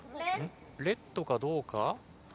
レットかどうか。